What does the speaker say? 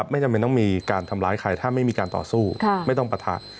ไม่จำเป็นต้องมีการทำร้ายใครถ้าไม่มีการต่อสู้ไม่ต้องปะทะ